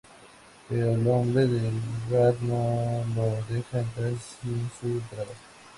Pero el hombre del lugar no lo deja entrar sin su entrada.